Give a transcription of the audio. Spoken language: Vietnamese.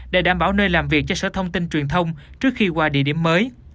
để đảm bảo nơi làm việc cho sở thông tin truyền thông trước khi qua địa điểm mới